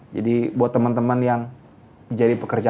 jadi buat teman teman yang jadi pekerjaan